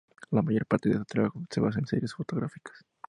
La mayor parte de su trabajo se basa en series fotográficas.